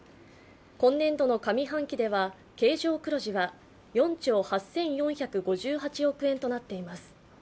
今年度の上半期では経常黒字は４兆８４５８億円となっています。